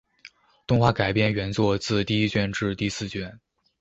动画改编原作自第一卷至第四卷。